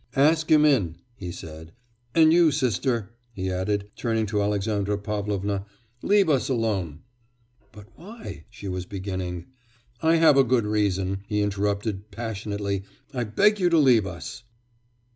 'Ask him in,' he said, 'and you, sister,' he added, turning to Alexandra Pavlovna, 'leave us alone.' 'But why?' she was beginning. 'I have a good reason,' he interrupted, passionately. 'I beg you to leave us.